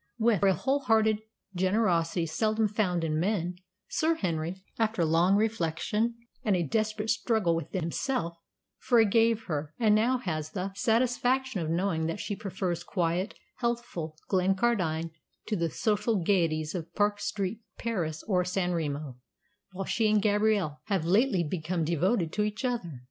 With a whole hearted generosity seldom found in men, Sir Henry, after long reflection and a desperate struggle with himself, forgave her, and now has the satisfaction of knowing that she prefers quiet, healthful Glencardine to the social gaieties of Park Street, Paris, or San Remo, while she and Gabrielle have lately become devoted to each other.